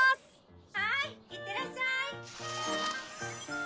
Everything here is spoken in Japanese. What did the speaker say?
はいいってらっしゃい。